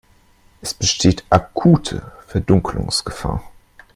Es besteht akute Verdunkelungsgefahr.